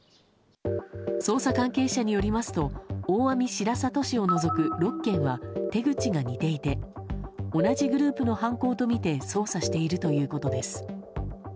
捜査関係者によりますと大網白里市を除く６件は手口が似ていて同じグループの犯行とみて捜査しているということです。